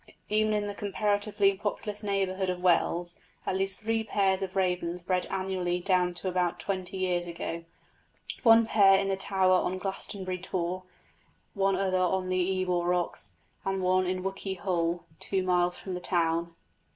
Even in the comparatively populous neighbourhood of Wells at least three pairs of ravens bred annually down to about twenty years ago one pair in the tower on Glastonbury Tor, one on the Ebor rocks, and one at Wookey Hole, two miles from the town.